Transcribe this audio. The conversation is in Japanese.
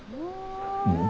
うん。